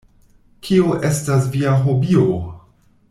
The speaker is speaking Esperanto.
Kio estas via hobio?